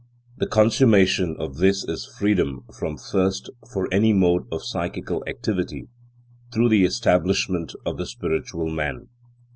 The consummation of this is freedom from thirst for any mode of psychical activity, through the establishment of the spiritual man.